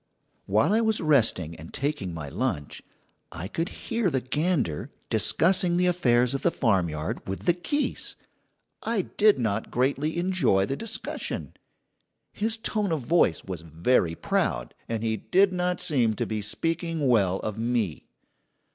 While I was resting and taking my lunch, I could hear the gander discussing the affairs of the farmyard with the geese. I did not greatly enjoy the discussion. His tone of voice was very proud, and he did not seem to be speaking well of me.